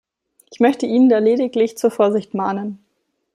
Ich möchte ihn da lediglich zur Vorsicht mahnen.